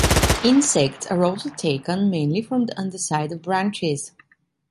Insects are also taken, mainly from the underside of branches.